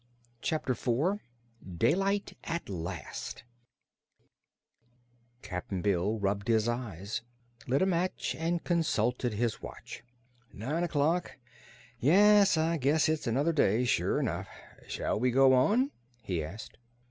Chapter Four Daylight at Last Cap'n Bill rubbed his eyes, lit a match and consulted his watch. "Nine o'clock. Yes, I guess it's another day, sure enough. Shall we go on?" he asked.